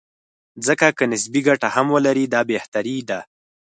ځکه که نسبي ګټه هم ولري، دا بهتري ده.